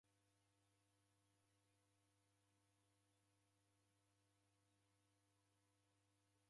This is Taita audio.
Iriko jawo jadabongoroka